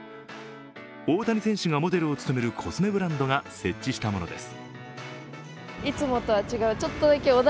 大谷選手がモデルを務めるコスメブランドが設置したものです。